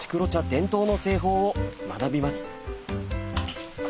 伝統の製法を学びます。